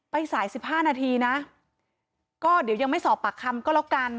สาย๑๕นาทีนะก็เดี๋ยวยังไม่สอบปากคำก็แล้วกัน